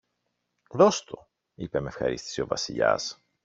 Δώσ' το, είπε μ' ευχαρίστηση ο Βασιλιάς.